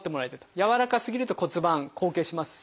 軟らかすぎると骨盤後傾しますし。